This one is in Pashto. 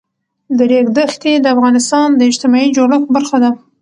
د ریګ دښتې د افغانستان د اجتماعي جوړښت برخه ده.